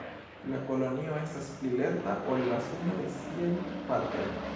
La kolonio estas pli lerta ol la sumo de siaj partoj.